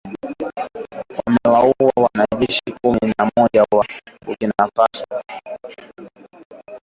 wamewaua wanajeshi kumi na moja wa Burkina Faso na